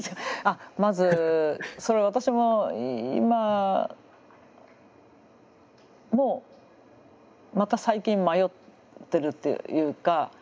まずそれは私も今もまた最近迷ってるというか。